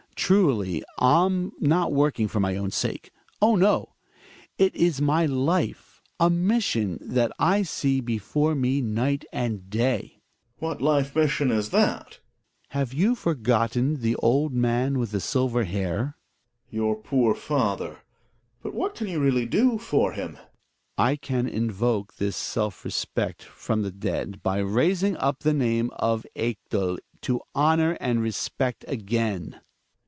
Truly, I'm not working for my own sake. Oh, no ! It is my life — a mission that I see before me night and day. Gregers. What life mission is that ? Hjalmar. Have you forgotten the old man with the silver hair ? 74 THE WILD DUCK. Geegebs. Your poor father ; but what can you really do for him ? Hjalmar. I can invoke his self respect from the dead, by raising up the name of Ekdal to honor and respect again.